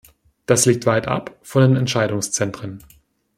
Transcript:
Das liegt weitab von den Entscheidungszentren.